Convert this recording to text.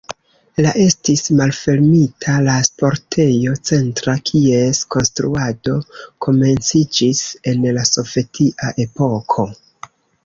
La estis malfermita la sportejo Centra, kies konstruado komenciĝis en la sovetia epoko.